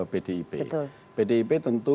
pdip pdip tentu